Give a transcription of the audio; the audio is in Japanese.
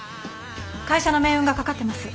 会社の命運がかかってます。